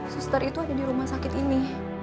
suster itu ada di rumah sakit ini